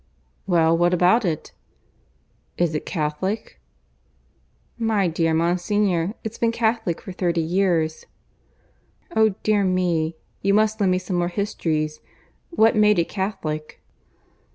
"Well, what about it?" "Is it Catholic?" "My dear Monsignor, it's been Catholic for thirty years." "Oh dear me! You must lend me some more histories. ... What made it Catholic?"